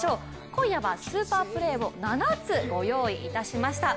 今夜はスーパープレーを７つご用意しました。